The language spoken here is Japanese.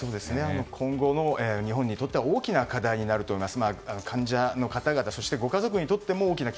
今後の日本にとっては大きな課題になると思います。